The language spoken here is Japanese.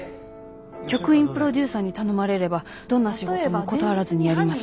局員プロデューサーに頼まれればどんな仕事も断らずにやります。